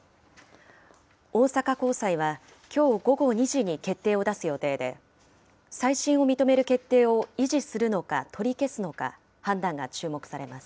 大阪高裁は、きょう午後２時に決定を出す予定で、再審を認める決定を維持するのか、取り消すのか、判断が注目されます。